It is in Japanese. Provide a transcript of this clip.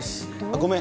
ごめん。